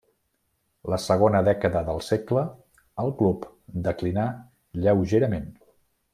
La segona dècada del segle el club declinà lleugerament.